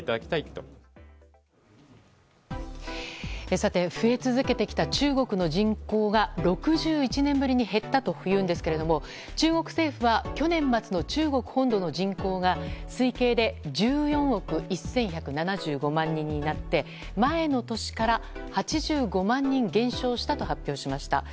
さて、増え続けてきた中国の人口が６１年ぶりに減ったというんですが中国政府は去年末の中国本土の人口が推計で１４億１１７５万人になって前の年から８５万人減少したと発表しました。